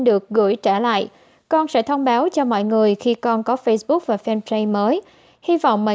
được gửi trở lại con sẽ thông báo cho mọi người khi con có facebook và fanpage mới hy vọng mời